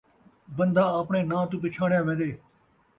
بندہ آپݨے ناں توں پچھاݨیا ویندے